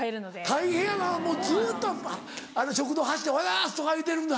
大変やなもうずっと食堂走っておはようございますとか言うてるんだ。